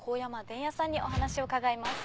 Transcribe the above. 伝弥さんにお話を伺います。